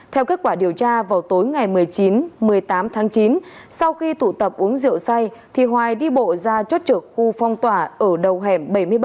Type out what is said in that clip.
theo kết quả điều tra vào tối ngày một mươi chín một mươi tám tháng chín sau khi tụ tập uống rượu say thì hoài đi bộ ra chốt trực khu phong tỏa ở đầu hẻm bảy mươi bảy